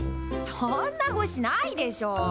そんな星ないでしょ。